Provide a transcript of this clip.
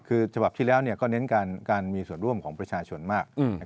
คือฉบับที่แล้วก็เน้นการมีส่วนร่วมของประชาชนมาก